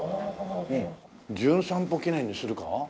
「じゅん散歩記念」にするか？